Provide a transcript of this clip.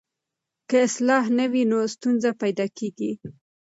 که اصلاح نه وي نو ستونزه پیدا کېږي.